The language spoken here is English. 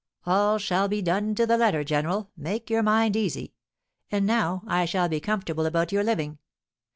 "All shall be done to the letter, general; make your mind easy. And now I shall be comfortable about your living.